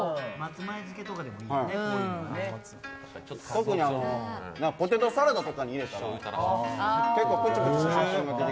特にポテトサラダに入れたら結構プチプチした食感が出て。